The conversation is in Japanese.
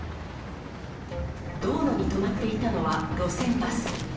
道路に止まっていたのは路線バス。